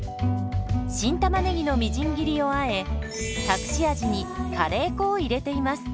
新たまねぎのみじん切りをあえ隠し味にカレー粉を入れています。